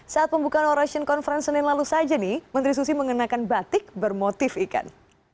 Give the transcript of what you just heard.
saat pembukaan oration conference senin lalu saja nih menteri susi mengenakan batik bermotif ikan